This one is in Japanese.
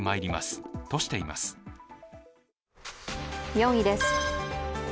４位です。